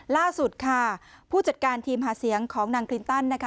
ล่าสุดค่ะผู้จัดการทีมหาเสียงของนางคลินตันนะคะ